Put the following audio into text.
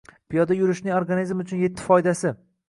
Piyoda yurishning organizm uchunyettifoydasi